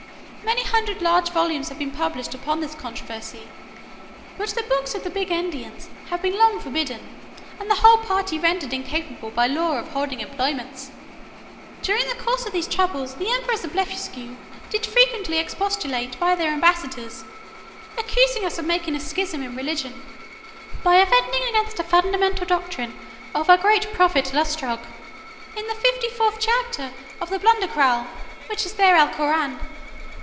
Many hundred large volumes have been published upon this controversy: but the books of the Big endians have been long forbidden, and the whole party rendered incapable by law of holding employments. During the course of these troubles, the emperors of Blefuscu did frequently expostulate by their ambassadors, accusing us of making a schism in religion, by offending against a fundamental doctrine of our great prophet Lustrog, in the fifty fourth chapter of the Blundecral (which is their Alcoran).